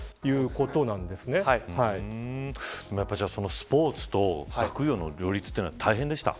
スポーツと学業の両立は大変でしたか。